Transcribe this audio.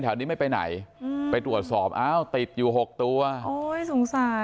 แถวนี้ไม่ไปไหนอืมไปตรวจสอบอ้าวติดอยู่หกตัวโอ้ยสงสาร